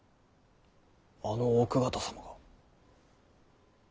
あの奥方様が？